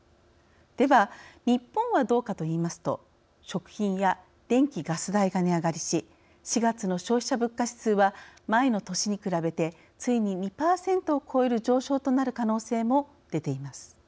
では、日本はどうかといいますと食品や電気・ガス代が値上がりし４月の消費者物価指数は前の年に比べてついに２％を超える上昇となる可能性も出ています。